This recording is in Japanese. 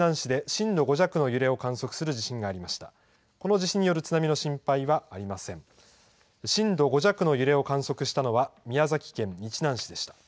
震度５弱の揺れを観測したのは宮崎県日南市でした。